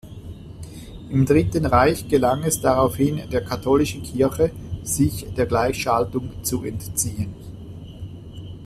Im Dritten Reich gelang es daraufhin der katholischen Kirche, sich der Gleichschaltung zu entziehen.